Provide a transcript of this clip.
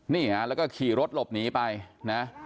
นี่ฮะแล้วก็ขี่รถหลบหนีไปนะ